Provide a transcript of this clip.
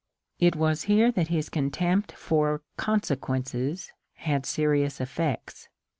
It was here that his contempt for ^^consequences" had serious effects.